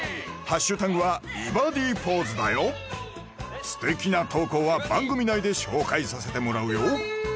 ハッシュタグは「美バディポーズ」だよ素敵な投稿は番組内で紹介させてもらうよ